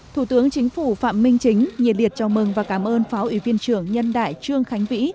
thủ tướng chính phủ phạm minh chính nhiệt liệt chào mừng và cảm ơn phó ủy viên trưởng nhân đại trương khánh vĩ